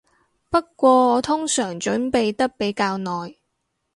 不過我通常準備得比較耐